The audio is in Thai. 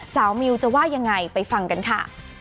มิวจะว่ายังไงไปฟังกันค่ะ